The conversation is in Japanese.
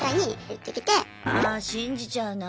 あぁ信じちゃうな。